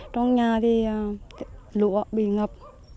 trong nhà thì lụa bị ngập